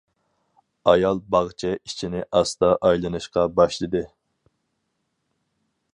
ئايال باغچە ئېچىنى ئاستا ئايلىنىشقا باشلىدى.